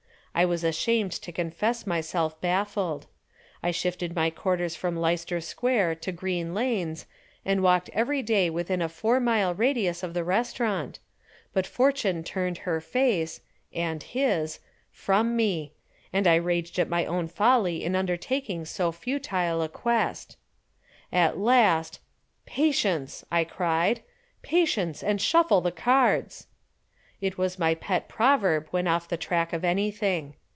I was ashamed to confess myself baffled. I shifted my quarters from Leicester Square to Green Lanes and walked every day within a four mile radius of the restaurant, but fortune turned her face (and his) from me and I raged at my own folly in undertaking so futile a quest. At last, "Patience!" I cried. "Patience, and shuffle the cards!" It was my pet proverb when off the track of anything.